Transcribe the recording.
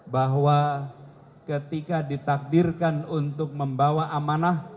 bahwa ketika ditakdirkan untuk membawa amanah